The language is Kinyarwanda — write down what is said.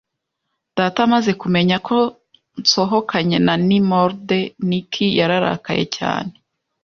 Data amaze kumenya ko nsohokanye na Nimrod Nick, yararakaye cyane.